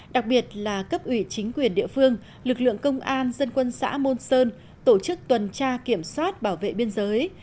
đặc biệt là cấp ủy chính quyền địa phương lực lượng công an dân quân xã môn sơn tổ chức tuần tra kiểm soát bảo vệ biên giới